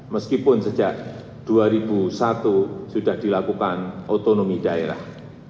meskipun sejak dua ribu satu sudah dilakukan otonomi daerah